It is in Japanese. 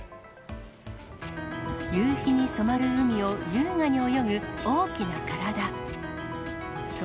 夕日に染まる海を優雅に泳ぐ大きな体。